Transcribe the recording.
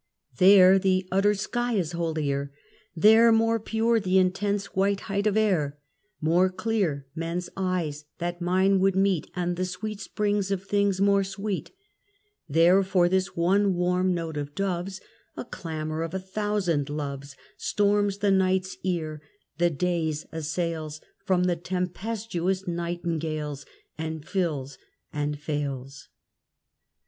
There the utter sky is holier, there More pure the intense white height of air, More clear men's eyes that mine would meet, And the sweet springs of things more sweet. There for this one warm note of doves A clamour of a thousand loves Storms the night's ear, the day's assails, From the tempestuous nightingales, And fills, and fails.